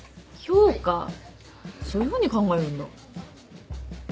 そういうふうに考えるんだ。